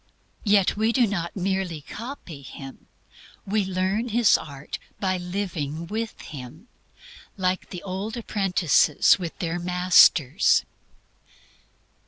Yet we do not merely copy Him. We learn His art by living with Him, like the old apprentices with their masters.